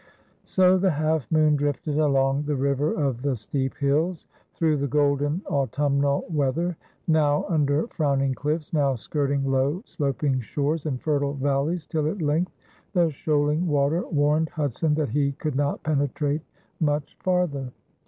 So the Half Moon drifted along "the River of the Steep Hills," through the golden autumnal weather, now under frowning cliffs, now skirting low sloping shores and fertile valleys, till at length the shoaling water warned Hudson that he could not penetrate much farther.